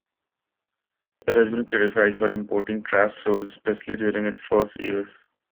It has been criticized for importing "trash shows", especially during its first years.